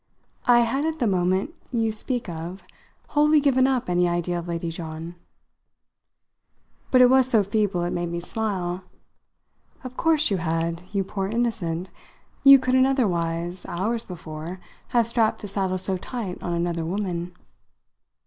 "I had at the moment you speak of wholly given up any idea of Lady John." But it was so feeble it made me smile. "Of course you had, you poor innocent! You couldn't otherwise, hours before, have strapped the saddle so tight on another woman."